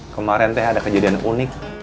kemarin teh ada kejadian unik